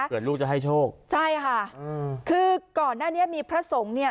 ลูกจะให้โชคใช่ค่ะอืมคือก่อนหน้านี้มีพระสงฆ์เนี่ย